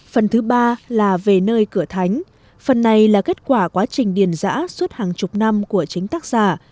phần thứ ba là về nơi cửa thánh phần này là kết quả quá trình điền giã suốt hàng chục năm của chính tác giả